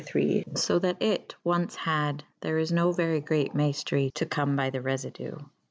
fo that it ones had / there is no very great mayftry to come by the refydue.